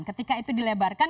ketika itu dilebarkan